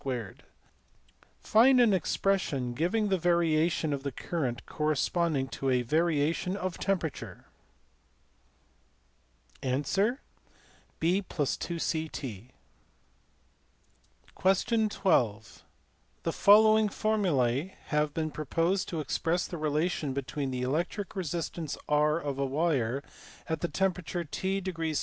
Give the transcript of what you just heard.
\] Find an expression giving the variation of the current corresponding to a variation of temperature. \Item{(12)} The following formulae have been proposed to express the relation between the electric resistance $R$ of a wire at the temperature $t°$\;C.